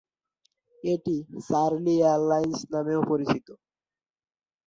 এটি "Charlie Airlines" নামেও পরিচিত।